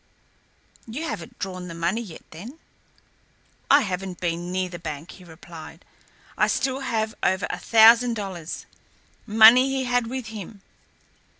"You haven't drawn the money yet, then?" "I haven't been near the bank," he replied. "I still have over a thousand dollars money he had with him.